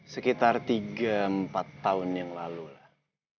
sekitar tiga empat tahun yang lalu lah